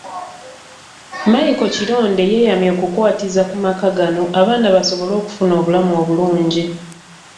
Micheal Kironde yeeyamye okukwatiza ku maka gano abaana basobole okufuna obulamu obulungi.